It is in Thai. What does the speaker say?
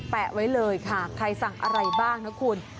ไว้เลยค่ะใครสั่งอะไรบ้างนะคุณ